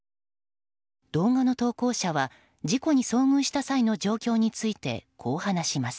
動画の投稿者は事故に遭遇した際の状況についてこう話します。